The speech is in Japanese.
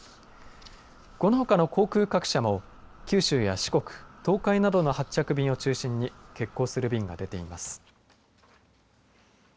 このほかの航空各社も九州や四国、東海などの発着便を中心に欠航する便が出ています。